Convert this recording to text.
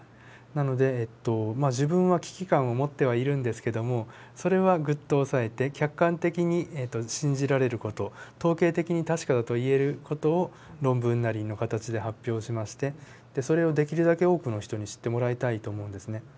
なので自分は危機感を持ってはいるんですけどもそれはぐっと抑えて客観的に信じられる事統計的に確かだと言える事を論文なりの形で発表しましてそれをできるだけ多くの人に知ってもらいたいと思うんですね。